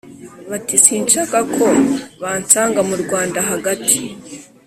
bati: “sinshaka ko bansanga mu rwanda hagati